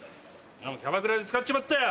キャバクラで使っちまったよ。